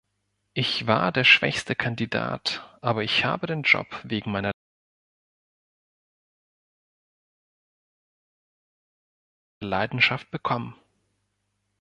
Ich war der schwächste Kandidat, aber ich habe den Job wegen meiner Leidenschaft bekommen.